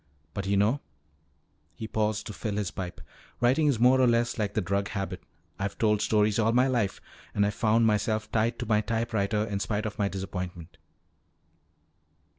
But you know," he paused to fill his pipe, "writing is more or less like the drug habit. I've told stories all my life, and I found myself tied to my typewriter in spite of my disappointment.